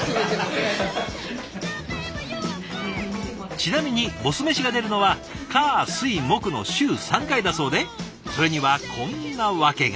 ちなみにボス飯が出るのは火水木の週３回だそうでそれにはこんな訳が。